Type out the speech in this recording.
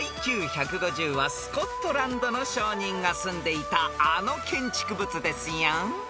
［ＩＱ１５０はスコットランドの商人が住んでいたあの建築物ですよ］